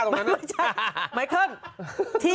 เช็ดแรงไปนี่